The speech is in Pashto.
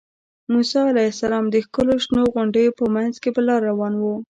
موسی علیه السلام د ښکلو شنو غونډیو په منځ کې پر لاره روان و.